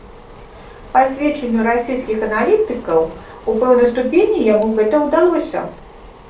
Па сведчанню расійскіх аналітыкаў, у пэўнай ступені яму гэта ўдалося.